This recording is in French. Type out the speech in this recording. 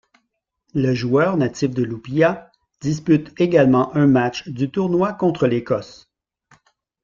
Le joueur natif de Llupia dispute également un match du Tournoi contre l'Écosse.